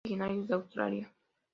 Son originarios de Australia.